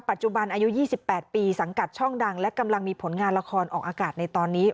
อายุ๒๘ปีสังกัดช่องดังและกำลังมีผลงานละครออกอากาศในตอนนี้